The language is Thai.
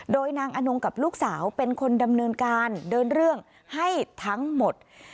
โดยนางอนงกับลูกสาวเป็นคนดำเนินการเดินเรื่องให้ทั้งหมด